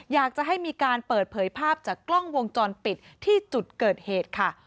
อยากจะให้มีการเปิดเผยภาพจากกล้องวงจรปิดที่จุดเกิดเหตุค่ะ